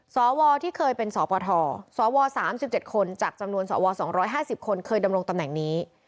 สวที่เคยเป็นสปทสว๓๗คนจากจำนวนสว๒๕๐คนเคยดำรงตำแหน่งนี้